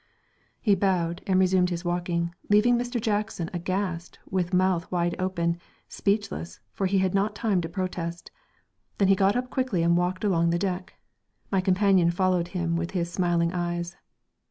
He bowed and resumed his walking, leaving Mr. Jackson aghast with mouth wide open, speechless, for he had not time to protest. Then he got up quickly and walked along the deck.... My companion followed him with his smiling eyes....